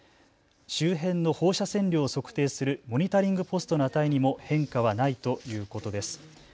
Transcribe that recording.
周辺の放射線量を測定するモニタリングポストの値にも変化はないということです。